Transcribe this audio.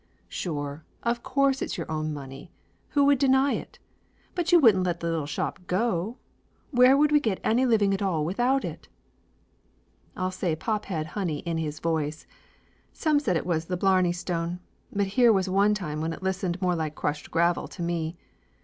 "Sure; of course it's your own money ! Who would deny it ? But you wouldn't let the little shop go? Where would we get any living at all without it?" I'll say pop had honey in his voice. Some said it was the blarney stone, but here was one time when it listened more like crushed gravel to me.